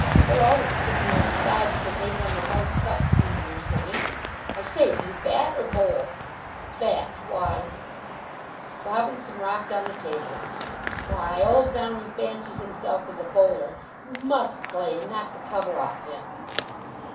They're always sticking on side because they've won the house cup three years running. I say, do you bat or bowl?" "Bat. Why?" Robinson rocked on the table. "Why, old Downing fancies himself as a bowler. You must play, and knock the cover off him."